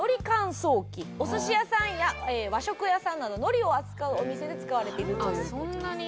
お寿司屋さんや和食屋さんなど海苔を扱うお店で使われているという事ですね。